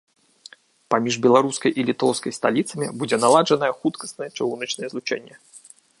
Паміж беларускай і літоўскай сталіцамі будзе наладжанае хуткаснае чыгуначнае злучэнне.